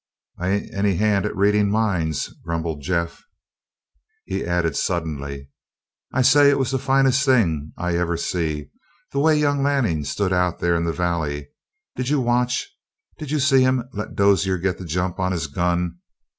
"I ain't any hand at readin' minds," grumbled Jeff. He added suddenly: "I say it was the finest thing I ever see, the way young Lanning stood out there in the valley. Did you watch? Did you see him let Dozier get the jump on his gun?